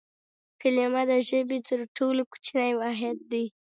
کلیمه د ژبي تر ټولو کوچنی واحد دئ.